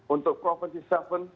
untuk provinsi seven